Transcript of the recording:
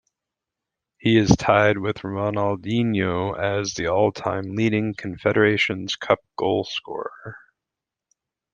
He is tied with Ronaldinho as the all-time leading Confederations Cup goalscorer.